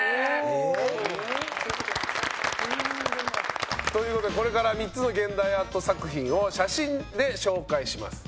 えっ？というわけでこれから３つの現代アート作品を写真で紹介します。